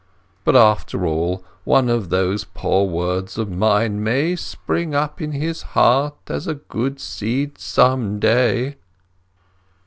But, after all, one of those poor words of mine may spring up in his heart as a good seed some day."